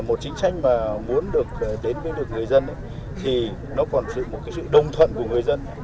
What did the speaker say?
một chính sách mà muốn được đến với được người dân thì nó còn sự đồng thuận của người dân